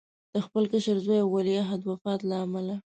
د خپل کشر زوی او ولیعهد وفات له امله.